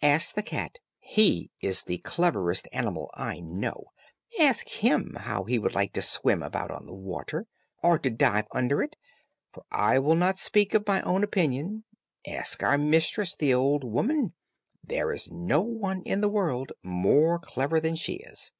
Ask the cat, he is the cleverest animal I know, ask him how he would like to swim about on the water, or to dive under it, for I will not speak of my own opinion; ask our mistress, the old woman there is no one in the world more clever than she is.